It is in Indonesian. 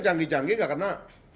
canggih canggih gak kena